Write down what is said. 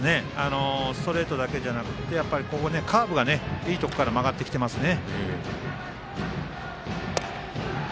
ストレートだけじゃなくてカーブがいいところから曲がってきていますね。